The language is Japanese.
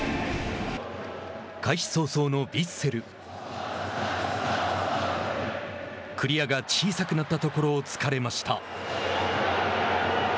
開始早々のヴィッセルクリアが小さくなったところを突かれました。